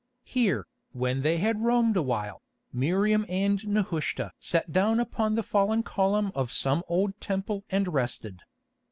Here, when they had roamed a while, Miriam and Nehushta sat down upon the fallen column of some old temple and rested.